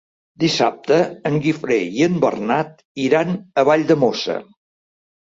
Dissabte en Guifré i en Bernat iran a Valldemossa.